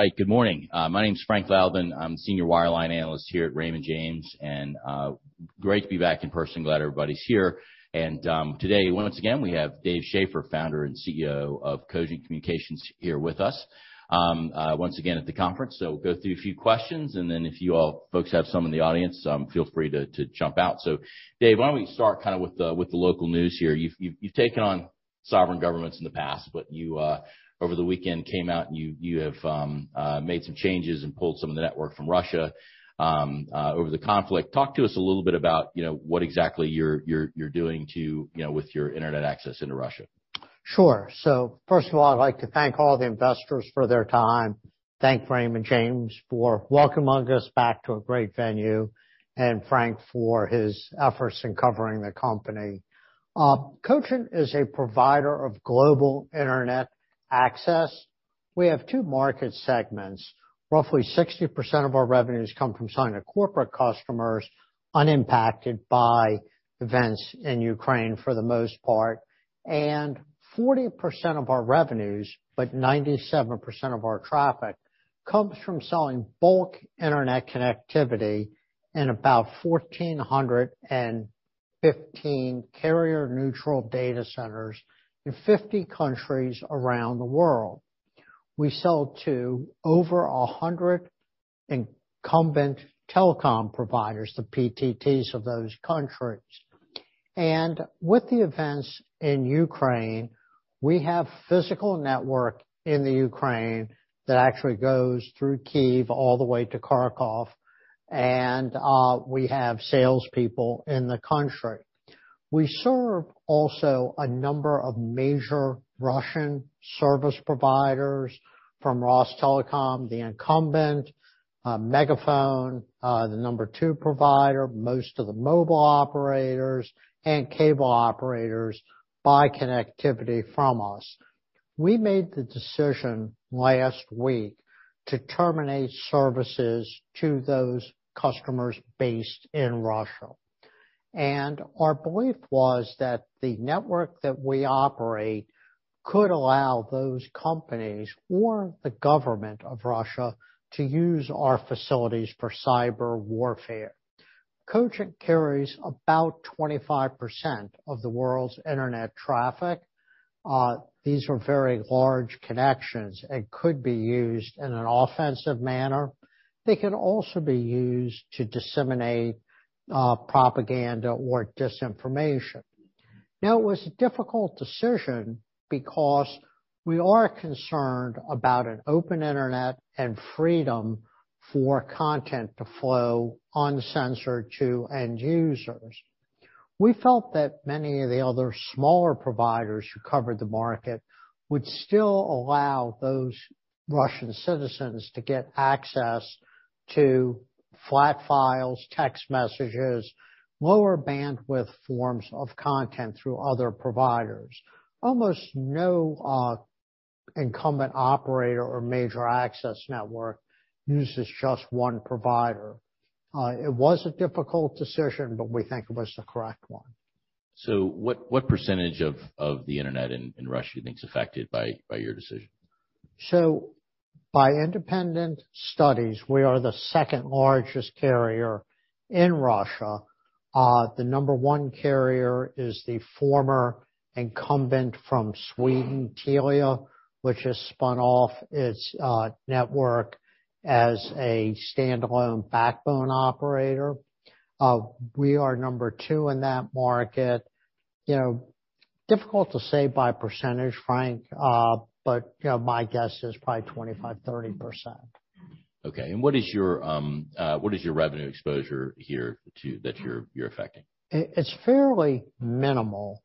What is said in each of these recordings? All right. Good morning. My name is Frank Louthan. I'm Senior Wireline Analyst here at Raymond James, and great to be back in person. Glad everybody's here. Today, once again, we have Dave Schaeffer, Founder and CEO of Cogent Communications, here with us, once again at the conference. We'll go through a few questions, and then if you all folks have some in the audience, feel free to jump out. Dave, why don't we start kind of with the local news here. You've taken on sovereign governments in the past, but you over the weekend came out and you have made some changes and pulled some of the network from Russia over the conflict. Talk to us a little bit about, you know, what exactly you're doing to, you know, with your Internet access into Russia? Sure. First of all, I'd like to thank all the investors for their time, thank Raymond James for welcoming us back to a great venue, and Frank for his efforts in covering the company. Cogent is a provider of global Internet access. We have two market segments. Roughly 60% of our revenues come from selling to corporate customers unimpacted by events in Ukraine, for the most part. 40% of our revenues, but 97% of our traffic comes from selling bulk Internet connectivity in about 1,415 carrier neutral data centers in 50 countries around the world. We sell to over 100 incumbent telecom providers, the PTTs of those countries. We have physical network in the Ukraine that actually goes through Kyiv all the way to Kharkiv. We have salespeople in the country. We serve also a number of major Russian service providers from Rostelecom, the incumbent, MegaFon, the number two provider. Most of the mobile operators and cable operators buy connectivity from us. We made the decision last week to terminate services to those customers based in Russia. Our belief was that the network that we operate could allow those companies or the government of Russia to use our facilities for cyber warfare. Cogent carries about 25% of the world's Internet traffic. These are very large connections and could be used in an offensive manner. They can also be used to disseminate propaganda or disinformation. Now, it was a difficult decision because we are concerned about an open Internet and freedom for content to flow uncensored to end users. We felt that many of the other smaller providers who covered the market would still allow those Russian citizens to get access to flat files, text messages, lower bandwidth forms of content through other providers. Almost no, incumbent operator or major access network uses just one provider. It was a difficult decision, but we think it was the correct one. What percentage of the Internet in Russia do you think is affected by your decision? By independent studies, we are the second largest carrier in Russia. The number one carrier is the former incumbent from Sweden, Telia, which has spun off its network as a standalone backbone operator. We are number two in that market. You know, difficult to say by percentage, Frank, but you know, my guess is probably 25%-30%. Okay. What is your revenue exposure here to that you're affecting? It's fairly minimal.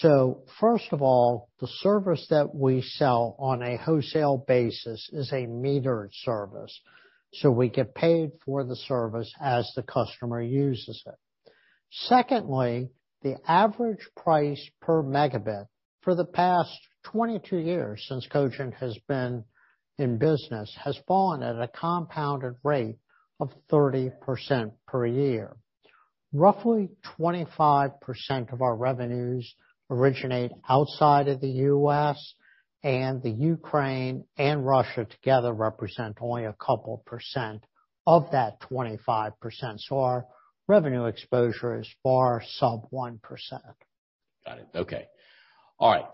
First of all, the service that we sell on a wholesale basis is a metered service, so we get paid for the service as the customer uses it. Secondly, the average price per megabit for the past 22 years since Cogent has been in business has fallen at a compounded rate of 30% per year. Roughly 25% of our revenues originate outside of the U.S., and the Ukraine and Russia together represent only a couple % of that 25%. Our revenue exposure is far sub 1%. Got it. Okay. All right.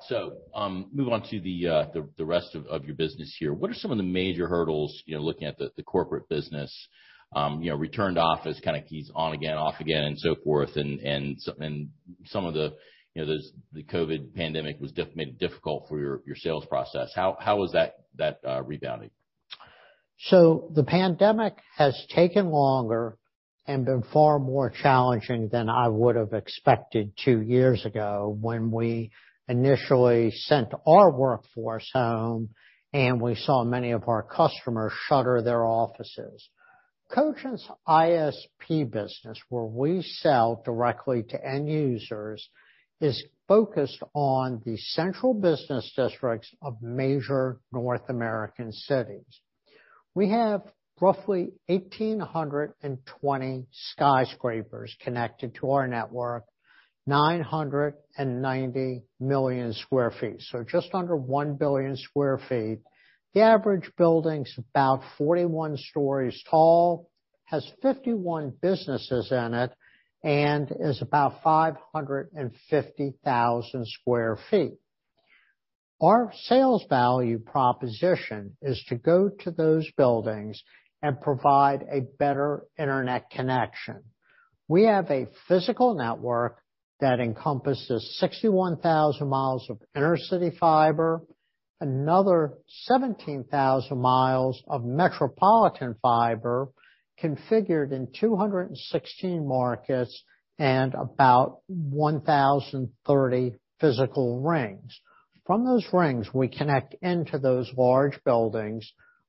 Moving on to the rest of your business here. What are some of the major hurdles, you know, looking at the corporate business, you know, return to office, kind of keeps on again, off again, and so forth, and some of the, you know, the COVID pandemic made it difficult for your sales process. How is that rebounding? The pandemic has taken longer and been far more challenging than I would have expected two years ago when we initially sent our workforce home and we saw many of our customers shutter their offices. Cogent's ISP business, where we sell directly to end users, is focused on the central business districts of major North American cities. We have roughly 1,820 skyscrapers connected to our network, 990 million sq ft. Just under 1 billion sq ft. The average building's about 41 stories tall, has 51 businesses in it and is about 550,000 sq ft. Our sales value proposition is to go to those buildings and provide a better internet connection. We have a physical network that encompasses 61,000 mi of inner city fiber, another 17,000 mi of metropolitan fiber configured in 216 markets and about 1,030 physical rings. From those rings, we connect into those large buildings,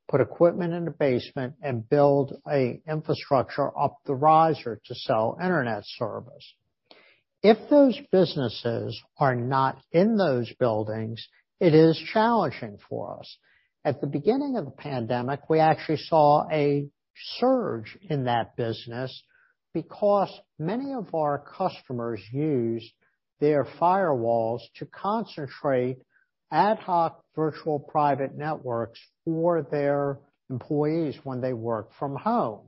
put equipment in the basement, and build an infrastructure up the riser to sell internet service. If those businesses are not in those buildings, it is challenging for us. At the beginning of the pandemic, we actually saw a surge in that business because many of our customers used their firewalls to concentrate ad hoc virtual private networks for their employees when they work from home.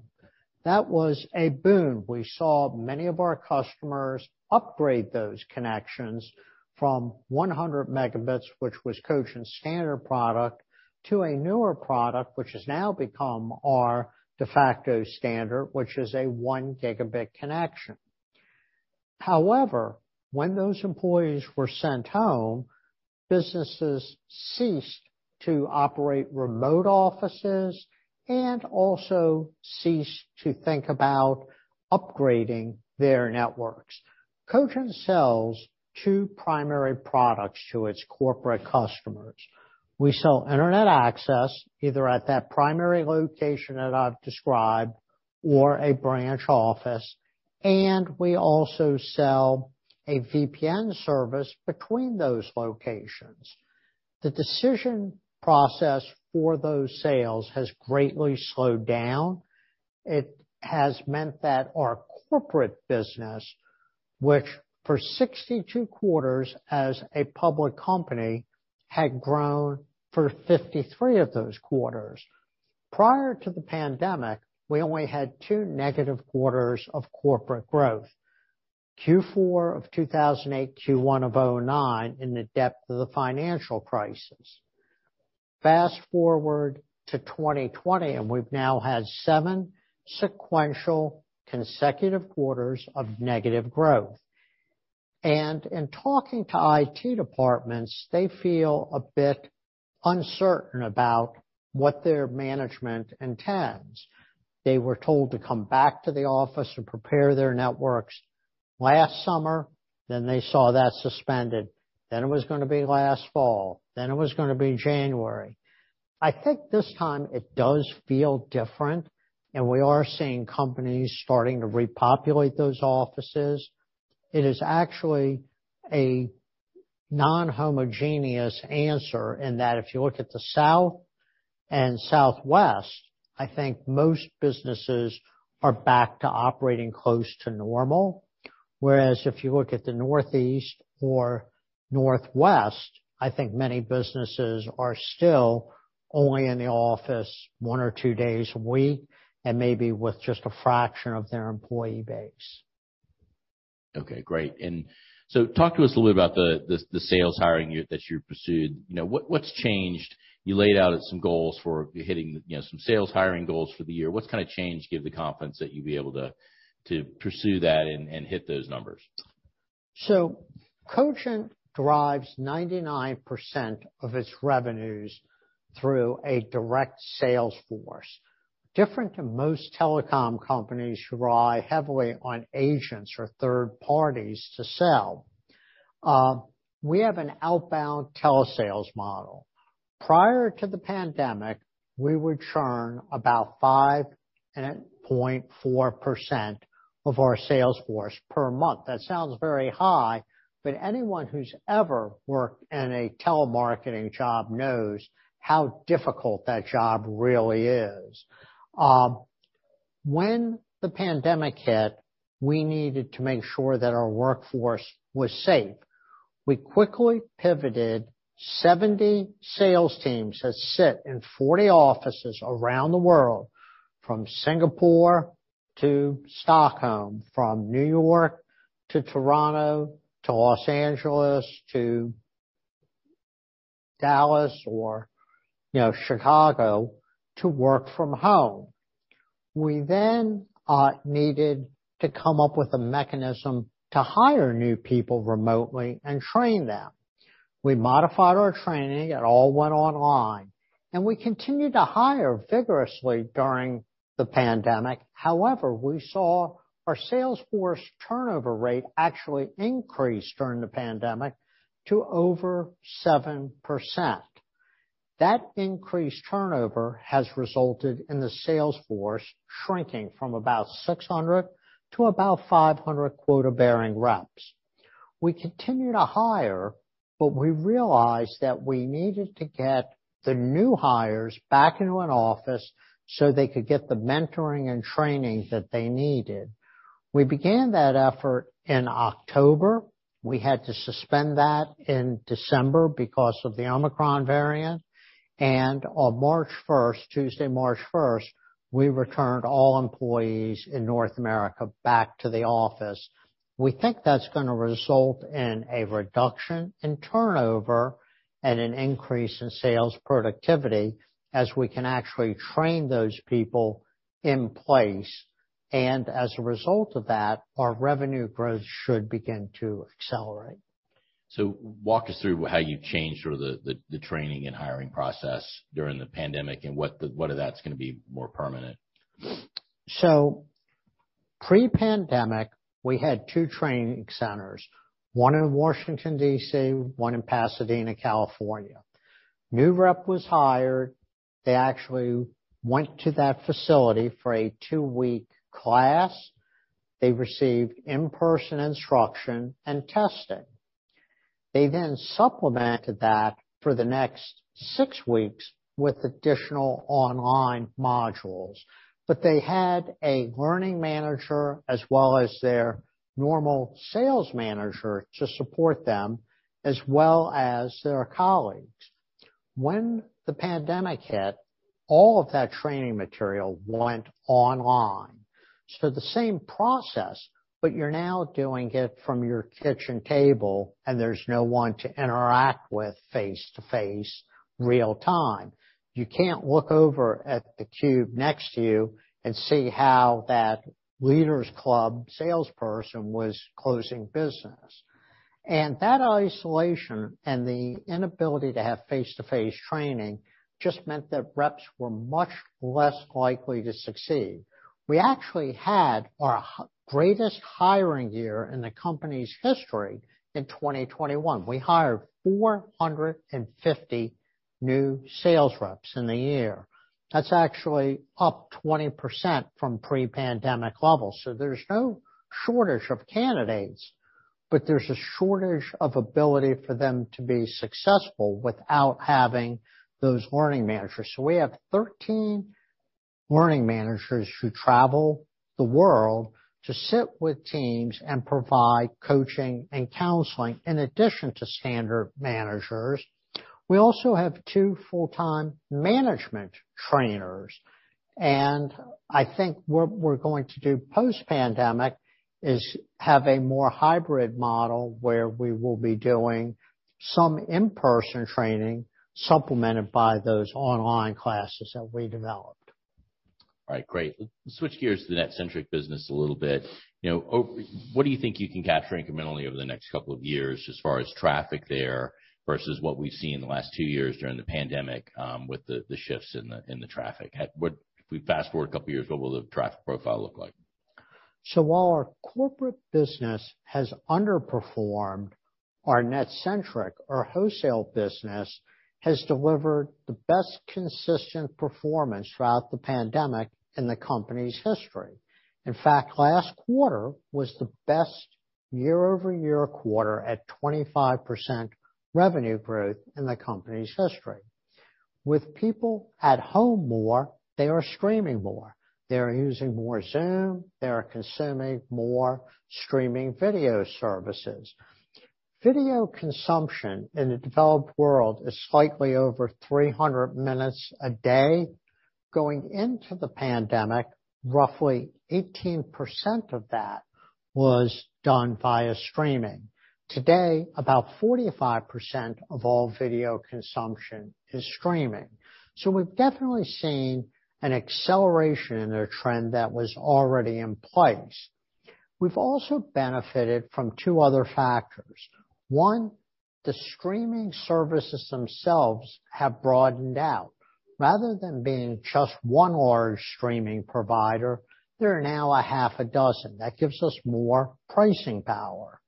That was a boom. We saw many of our customers upgrade those connections from 100 Mbps, which was Cogent standard product, to a newer product, which has now become our de facto standard, which is a 1 Gbps connection. However, when those employees were sent home, businesses ceased to operate remote offices and also ceased to think about upgrading their networks. Cogent sells two primary products to its corporate customers. We sell Internet access, either at that primary location that I've described or a branch office, and we also sell a VPN service between those locations. The decision process for those sales has greatly slowed down. It has meant that our corporate business, which for 62 quarters as a public company, had grown for 53 of those quarters. Prior to the pandemic, we only had two negative quarters of corporate growth, Q4 of 2008, Q1 of 2009 in the depth of the financial crisis. Fast-forward to 2020, we've now had seven sequential consecutive quarters of negative growth. In talking to IT departments, they feel a bit uncertain about what their management intends. They were told to come back to the office and prepare their networks last summer, then they saw that suspended. It was gonna be last fall, then it was gonna be January. I think this time it does feel different, and we are seeing companies starting to repopulate those offices. It is actually a non-homogeneous answer in that if you look at the South and Southwest, I think most businesses are back to operating close to normal. Whereas if you look at the Northeast or Northwest, I think many businesses are still only in the office one or two days a week, and maybe with just a fraction of their employee base. Okay, great. Talk to us a little about the sales hiring that you pursued. You know, what's changed? You laid out some goals for hitting, you know, some sales hiring goals for the year. What's kinda changed, given the confidence that you'll be able to pursue that and hit those numbers? Cogent derives 99% of its revenues through a direct sales force. Different to most telecom companies who rely heavily on agents or third parties to sell, we have an outbound telesales model. Prior to the pandemic, we would churn about 5.4% of our sales force per month. That sounds very high, but anyone who's ever worked in a telemarketing job knows how difficult that job really is. When the pandemic hit, we needed to make sure that our workforce was safe. We quickly pivoted 70 sales teams that sit in 40 offices around the world, from Singapore to Stockholm, from New York to Toronto to Los Angeles to Dallas or, you know, Chicago, to work from home. We then needed to come up with a mechanism to hire new people remotely and train them. We modified our training. It all went online, and we continued to hire vigorously during the pandemic. However, we saw our sales force turnover rate actually increase during the pandemic to over 7%. That increased turnover has resulted in the sales force shrinking from about 600 to about 500 quota-bearing reps. We continued to hire, but we realized that we needed to get the new hires back into an office so they could get the mentoring and training that they needed. We began that effort in October. We had to suspend that in December because of the Omicron variant. On Tuesday, March 1st, we returned all employees in North America back to the office. We think that's gonna result in a reduction in turnover and an increase in sales productivity as we can actually train those people in place, and as a result of that, our revenue growth should begin to accelerate. Walk us through how you changed sort of the training and hiring process during the pandemic and what of that's gonna be more permanent? Pre-pandemic, we had two training centers, one in Washington, D.C., one in Pasadena, California. When a new rep was hired, they actually went to that facility for a two-week class. They received in-person instruction and testing. They then supplemented that for the next six weeks with additional online modules. They had a learning manager as well as their normal sales manager to support them, as well as their colleagues. When the pandemic hit, all of that training material went online. The same process, but you're now doing it from your kitchen table, and there's no one to interact with face-to-face real time. You can't look over at the cube next to you and see how that Leaders Club salesperson was closing business. That isolation and the inability to have face-to-face training just meant that reps were much less likely to succeed. We actually had our greatest hiring year in the company's history in 2021. We hired 450 new sales reps in the year. That's actually up 20% from pre-pandemic levels. There's no shortage of candidates, but there's a shortage of ability for them to be successful without having those learning managers. We have 13 learning managers who travel the world to sit with teams and provide coaching and counseling in addition to standard managers. We also have two full-time management trainers, and I think what we're going to do post-pandemic is have a more hybrid model where we will be doing some in-person training supplemented by those online classes that we developed. All right, great. Let's switch gears to the NetCentric business a little bit. You know, what do you think you can capture incrementally over the next couple of years as far as traffic there versus what we've seen in the last two years during the pandemic, with the shifts in the traffic? If we fast-forward a couple of years, what will the traffic profile look like? While our corporate business has underperformed our NetCentric, our wholesale business has delivered the best consistent performance throughout the pandemic in the company's history. In fact, last quarter was the best year-over-year quarter at 25% revenue growth in the company's history. With people at home more, they are streaming more. They are using more Zoom. They are consuming more streaming video services. Video consumption in the developed world is slightly over 300 minutes a day. Going into the pandemic, roughly 18% of that was done via streaming. Today, about 45% of all video consumption is streaming. We've definitely seen an acceleration in a trend that was already in place. We've also benefited from two other factors. One, the streaming services themselves have broadened out. Rather than being just one large streaming provider, there are now a half a dozen. That gives us more pricing power.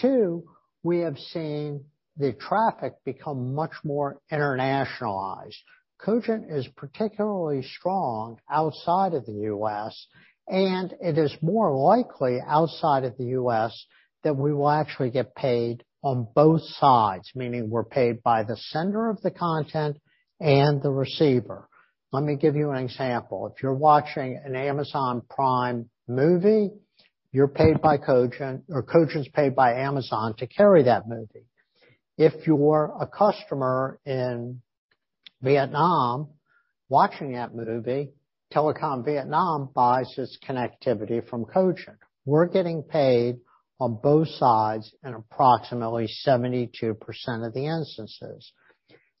Two, we have seen the traffic become much more internationalized. Cogent is particularly strong outside of the U.S., and it is more likely outside of the U.S. that we will actually get paid on both sides, meaning we're paid by the sender of the content and the receiver. Let me give you an example. If you're watching an Amazon Prime movie, Cogent's paid by Amazon to carry that movie. If you are a customer in Vietnam watching that movie, Telecom Vietnam buys its connectivity from Cogent. We're getting paid on both sides in approximately 72% of the instances.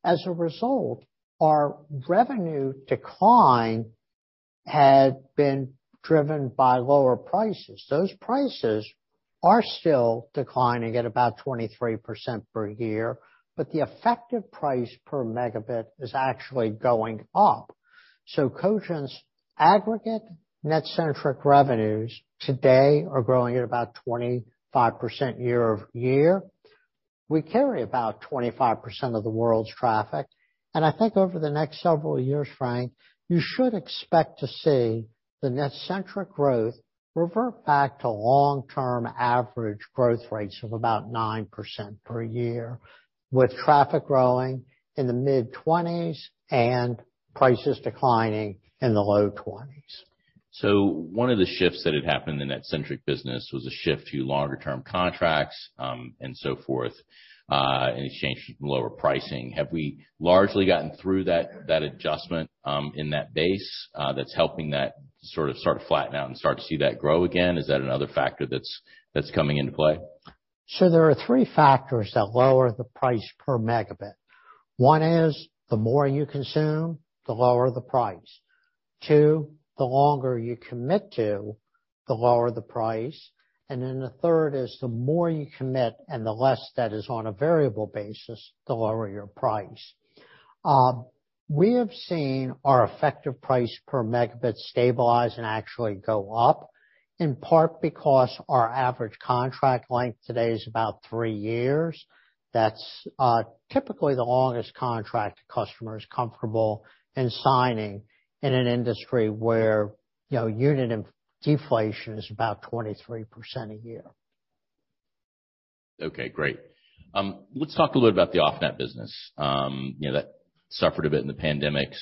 As a result, our revenue decline had been driven by lower prices. Those prices are still declining at about 23% per year, but the effective price per megabit is actually going up. Cogent's aggregate NetCentric revenues today are growing at about 25% year-over-year. We carry about 25% of the world's traffic, and I think over the next several years, Frank, you should expect to see the NetCentric growth revert back to long-term average growth rates of about 9% per year, with traffic growing in the mid-20s% and prices declining in the low 20s%. One of the shifts that had happened in that NetCentric business was a shift to longer term contracts, and so forth, in exchange for lower pricing. Have we largely gotten through that adjustment in that base that's helping that sort of start to flatten out and start to see that grow again? Is that another factor that's coming into play? There are three factors that lower the price per megabit. One is, the more you consume, the lower the price. Two, the longer you commit to, the lower the price. The third is, the more you commit and the less that is on a variable basis, the lower your price. We have seen our effective price per megabit stabilize and actually go up, in part because our average contract length today is about three years. That's typically the longest contract a customer is comfortable in signing in an industry where, you know, unit deflation is about 23% a year. Okay, great. Let's talk a little about the off-net business, you know, that suffered a bit in the pandemic.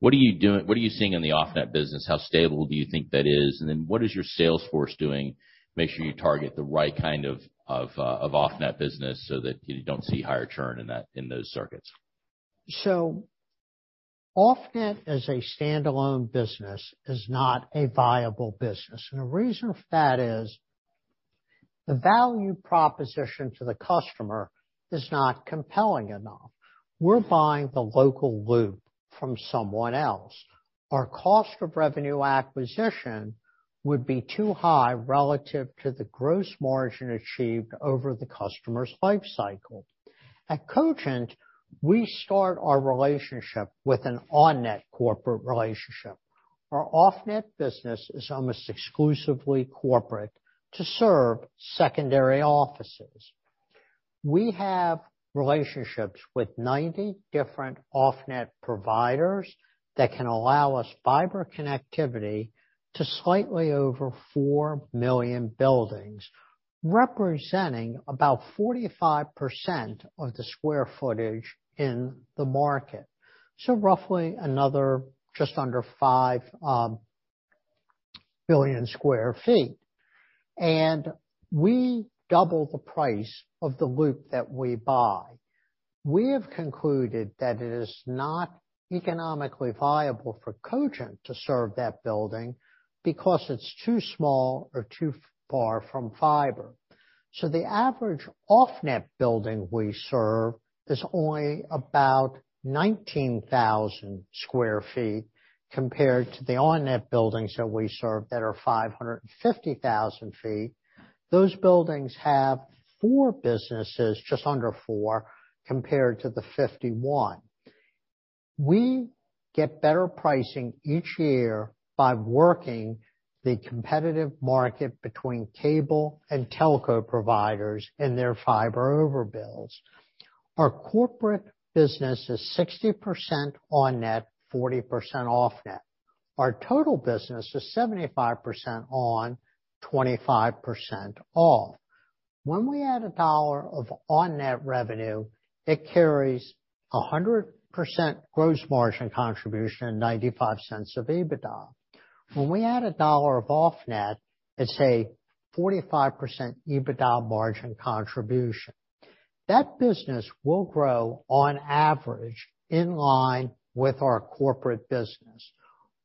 What are you seeing in the off-net business? How stable do you think that is? And then what is your sales force doing to make sure you target the right kind of off-net business so that you don't see higher churn in those circuits? Off-net as a standalone business is not a viable business. The reason for that is the value proposition to the customer is not compelling enough. We're buying the local loop from someone else. Our cost of revenue acquisition would be too high relative to the gross margin achieved over the customer's life cycle. At Cogent, we start our relationship with an on-net corporate relationship. Our off-net business is almost exclusively corporate to serve secondary offices. We have relationships with 90 different off-net providers that can allow us fiber connectivity to slightly over 4 million buildings, representing about 45% of the square footage in the market. Roughly another just under 5 billion sq ft. We double the price of the loop that we buy. We have concluded that it is not economically viable for Cogent to serve that building because it's too small or too far from fiber. The average off-net building we serve is only about 19,000 sq ft compared to the on-net buildings that we serve that are 550,000 feet. Those buildings have four businesses, just under four, compared to the 51. We get better pricing each year by working the competitive market between cable and telco providers and their fiber over builds. Our corporate business is 60% on-net, 40% off-net. Our total business is 75% on, 25% off. When we add a dollar of on-net revenue, it carries a 100% gross margin contribution and $0.95 of EBITDA. When we add a dollar of off-net, it's a 45% EBITDA margin contribution. That business will grow on average in line with our corporate business.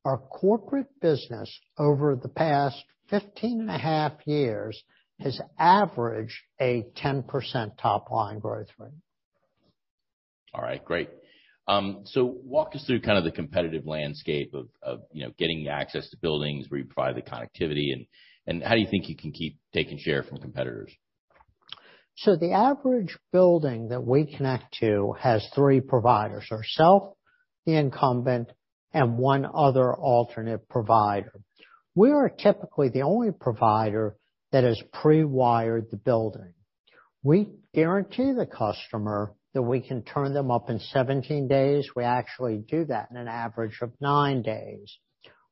Our corporate business over the past 15.5 years has averaged a 10% top line growth rate. All right, great. Walk us through kind of the competitive landscape of you know getting access to buildings where you provide the connectivity, and how do you think you can keep taking share from competitors? The average building that we connect to has three providers: ourself, the incumbent, and one other alternate provider. We are typically the only provider that has pre-wired the building. We guarantee the customer that we can turn them up in 17 days. We actually do that in an average of nine days.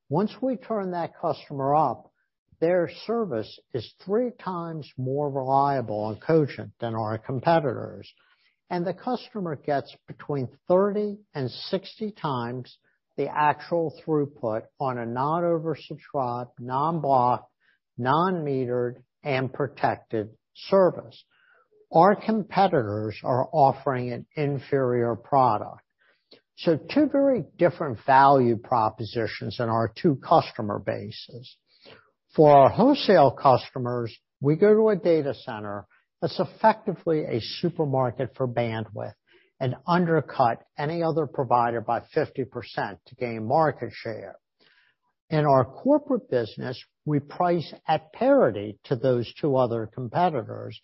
Once we turn that customer up, their service is 3x more reliable on Cogent than our competitors. The customer gets between 30x and 60x the actual throughput on a non-oversubscribed, non-blocked, non-metered, and protected service. Our competitors are offering an inferior product. Two very different value propositions in our two customer bases. For our wholesale customers, we go to a data center that's effectively a supermarket for bandwidth and undercut any other provider by 50% to gain market share. In our corporate business, we price at parity to those two other competitors,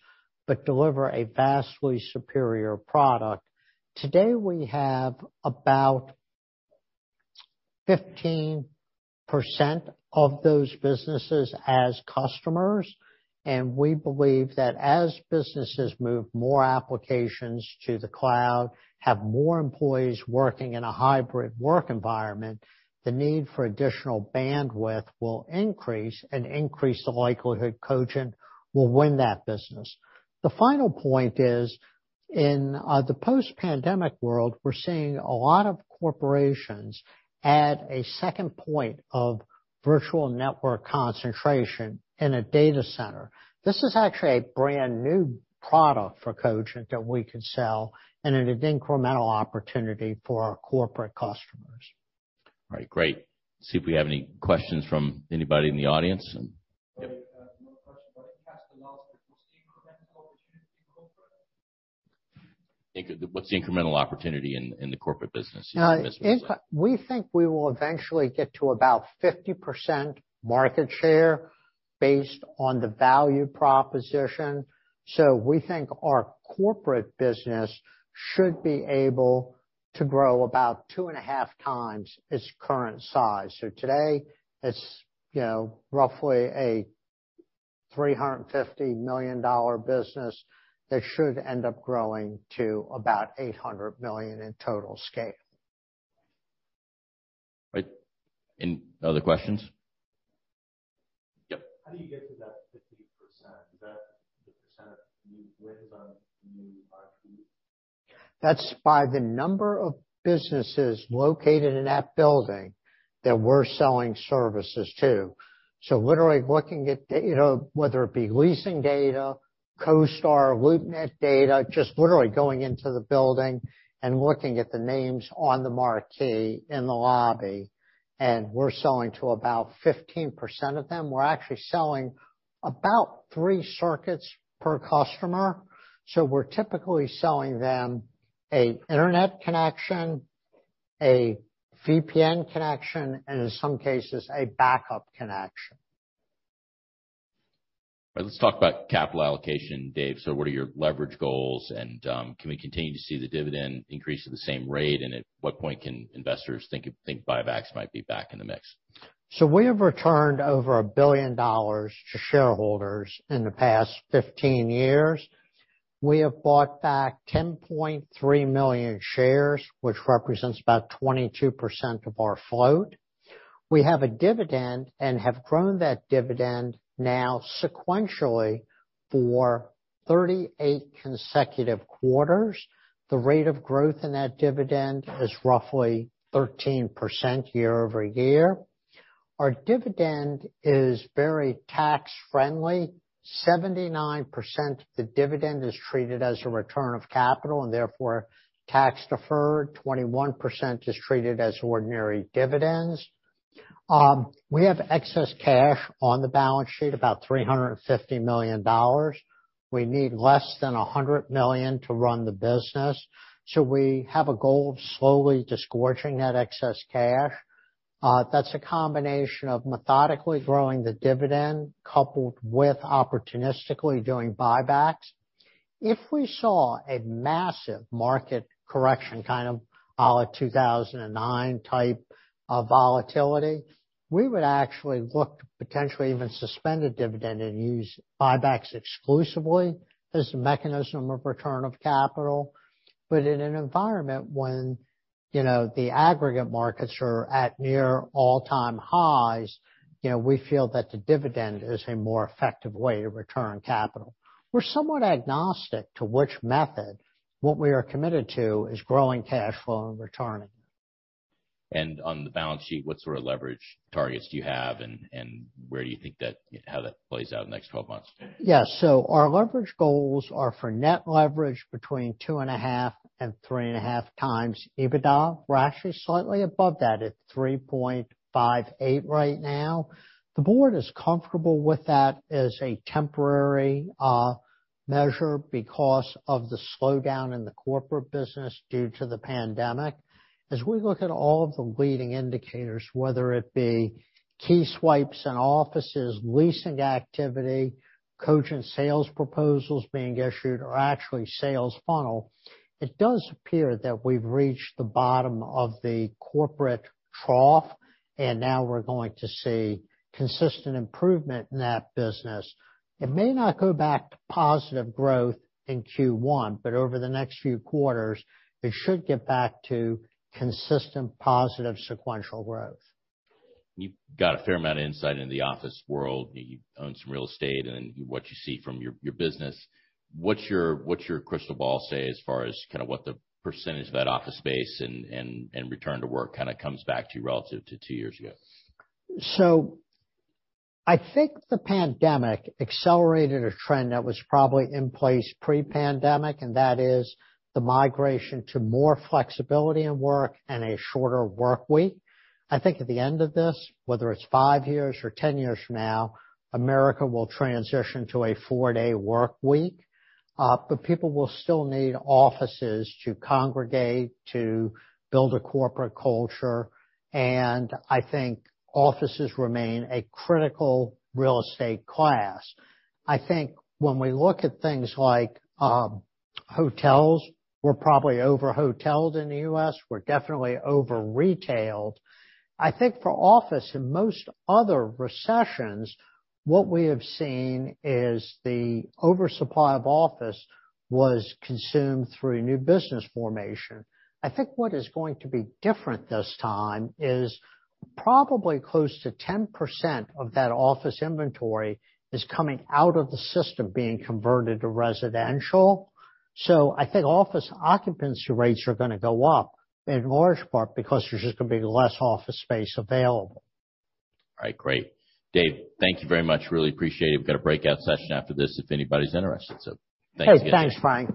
but deliver a vastly superior product. Today, we have about 15% of those businesses as customers, and we believe that as businesses move more applications to the cloud, have more employees working in a hybrid work environment, the need for additional bandwidth will increase and increase the likelihood Cogent will win that business. The final point is, in the post-pandemic world, we're seeing a lot of corporations add a second point of virtual network concentration in a data center. This is actually a brand-new product for Cogent that we could sell, and an incremental opportunity for our corporate customers. All right, great. See if we have any questions from anybody in the audience. Yep. One question. What did Cass say was the incremental opportunity for corporate? What's the incremental opportunity in the corporate business? We think we will eventually get to about 50% market share based on the value proposition. We think our corporate business should be able to grow about 2.5x its current size. Today it's, you know, roughly a $350 million business. That should end up growing to about $800 million in total scale. Right. Any other questions? Yep. How do you get to that 50%? Is that the % of new wins on new R2? That's by the number of businesses located in that building that we're selling services to. Literally looking at, you know, whether it be leasing data, CoStar or LoopNet data, just literally going into the building and looking at the names on the marquee in the lobby, and we're selling to about 15% of them. We're actually selling about three circuits per customer, so we're typically selling them an internet connection, a VPN connection, and in some cases, a backup connection. All right, let's talk about capital allocation, Dave. What are your leverage goals and can we continue to see the dividend increase at the same rate? At what point can investors think buybacks might be back in the mix? We have returned over $1 billion to shareholders in the past 15 years. We have bought back 10.3 million shares, which represents about 22% of our float. We have a dividend and have grown that dividend now sequentially for 38 consecutive quarters. The rate of growth in that dividend is roughly 13% year-over-year. Our dividend is very tax friendly. 79% of the dividend is treated as a return of capital, and therefore tax deferred. 21% is treated as ordinary dividends. We have excess cash on the balance sheet, about $350 million. We need less than $100 million to run the business, so we have a goal of slowly disgorging that excess cash. That's a combination of methodically growing the dividend coupled with opportunistically doing buybacks. If we saw a massive market correction, kind of à la 2009 type of volatility, we would actually look to potentially even suspend a dividend and use buybacks exclusively as a mechanism of return of capital. In an environment when, you know, the aggregate markets are at near all-time highs, you know, we feel that the dividend is a more effective way to return capital. We're somewhat agnostic to which method. What we are committed to is growing cash flow and returning. On the balance sheet, what sort of leverage targets do you have and where do you think how that plays out in the next 12 months? Yeah. Our leverage goals are for net leverage between 2.5x-3.5x EBITDA. We're actually slightly above that at 3.58x right now. The board is comfortable with that as a temporary measure because of the slowdown in the corporate business due to the pandemic. As we look at all of the leading indicators, whether it be key swipes in offices, leasing activity, Cogent sales proposals being issued or actually sales funnel, it does appear that we've reached the bottom of the corporate trough, and now we're going to see consistent improvement in that business. It may not go back to positive growth in Q1, but over the next few quarters it should get back to consistent positive sequential growth. You've got a fair amount of insight into the office world. You own some real estate and what you see from your business. What's your crystal ball say as far as kinda what the percentage of that office space and return to work kinda comes back to you relative to two years ago? I think the pandemic accelerated a trend that was probably in place pre-pandemic, and that is the migration to more flexibility in work and a shorter work week. I think at the end of this, whether it's five years or 10 years from now, America will transition to a four day work week. But people will still need offices to congregate, to build a corporate culture, and I think offices remain a critical real estate class. I think when we look at things like hotels, we're probably over-hoteled in the U.S., we're definitely over-retailed. I think for office, in most other recessions, what we have seen is the oversupply of office was consumed through new business formation. I think what is going to be different this time is probably close to 10% of that office inventory is coming out of the system being converted to residential. I think office occupancy rates are gonna go up in large part because there's just gonna be less office space available. All right. Great. Dave, thank you very much. Really appreciate it. We've got a breakout session after this if anybody's interested, so thanks again. Sure. Thanks, Frank.